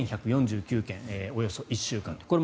２１４９件およそ１週間で。